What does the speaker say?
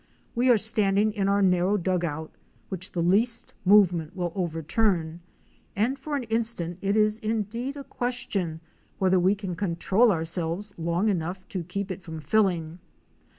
We are standing in our narrow dug out, which the least movement will overturn, and for an instant it is indeed a question whether we can control ourselves enough to keep it from filling.